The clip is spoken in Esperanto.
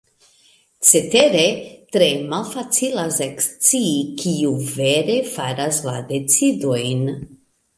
Cetere, tre malfacilas ekscii kiu vere faras la decidojn.